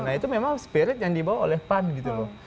nah itu memang spirit yang dibawa oleh pan gitu loh